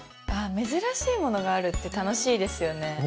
珍しいものがあるって楽しいですよね